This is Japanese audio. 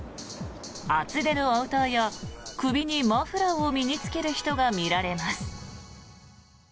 厚手のアウターや首にマフラーを身に着ける人が見られます。